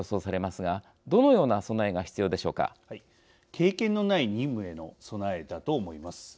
経験のない任務への備えだと思います。